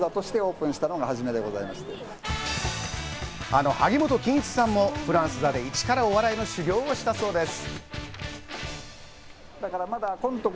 あの萩本欽一さんもフランス座でイチからお笑いの修業をしたそうです。